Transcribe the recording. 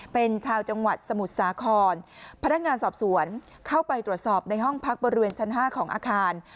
เป็นชาวจังหวัดสมุทรสาครพนักงานสอบสวนเข้าไปตรวจสอบในห้องพักบริเวณชั้น๕ของอาคาร